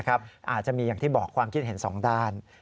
อาจจะมีอย่างที่บอกความคิดเห็นสองด้าน